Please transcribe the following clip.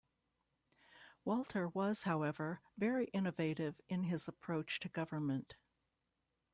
Walter was, however, very innovative in his approach to government.